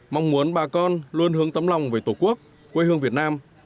mong muốn bà con luôn hướng tấm lòng về tổ quốc quê hương việt nam